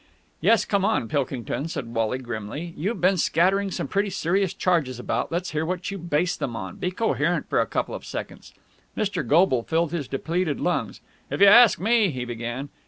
"Yes, come on, Pilkington," said Wally grimly. "You've been scattering some pretty serious charges about. Let's hear what you base them on. Be coherent for a couple of seconds." Mr. Goble filled his depleted lungs. "If you ask me...." he began.